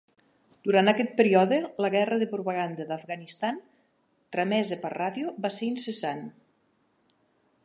Durant aquest període, la guerra de propaganda d'Afganistan, transmesa per ràdio, va ser incessant.